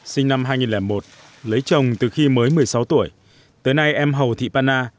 sinh năm hai nghìn một lấy chồng từ khi mới một mươi sáu tuổi tới nay em hầu thị panna